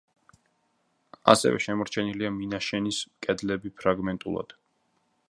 ასევე შემორჩენილია მინაშენის კედლები ფრაგმენტულად.